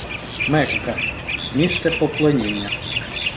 Мекка - місце поклоніння